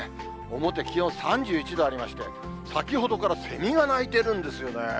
表、気温３１度ありまして、先ほどからセミが鳴いてるんですよね。